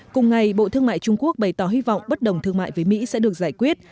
cùng ngày bộ thương mại trung quốc bày tỏ hy vọng bất đồng thương mại với mỹ sẽ được giải quyết